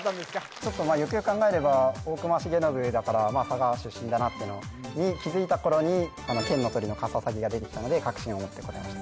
ちょっとまあよくよく考えれば大隈重信だからまあ佐賀出身だなってのに気づいた頃にこの県の鳥のカササギが出てきたので確信を持って答えました